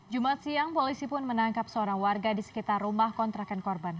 jumat siang polisi pun menangkap seorang warga di sekitar rumah kontrakan korban